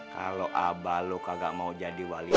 kalo abah lu kagak mau jadi wali